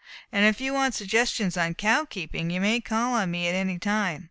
And if you want any suggestions on cow keeping, you may call on me at any time.